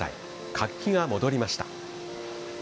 活気が戻りました。